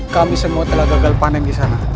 kami semua telah gagal panen disana